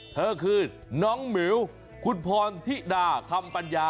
เธอคือน้องหมิวคุณพรธิดาคำปัญญา